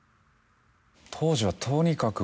当時はとにかく。